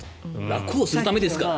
楽をするためですから。